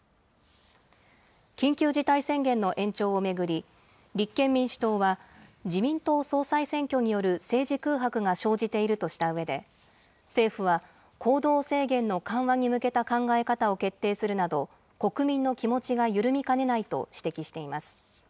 緊急事態宣言の延長を巡り、立憲民主党は、自民党総裁選挙による政治空白が生じているとしたうえで、政府は、行動制限の緩和に向けた考え方を決定するなど、国民の気持ちが緩みかねないと指摘しています。